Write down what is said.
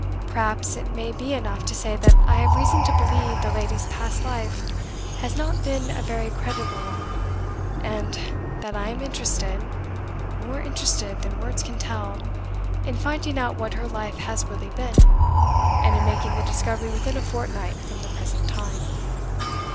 Perhaps it may be enough to say that I have reason to believe the lady's past life has not been a very creditable one, and that I am interested more interested than words can tell in finding out what her life has really been, and in making the discovery within a fortnight from the present time.